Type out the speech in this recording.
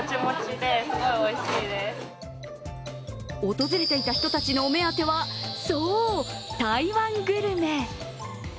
訪れていた人たちのお目当てはそう、台湾グルメ。